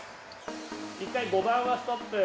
一回５番はストップ。